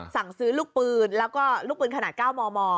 สั่งซื้อลูกปืนแล้วก็ลูกปืนขนาด๙มม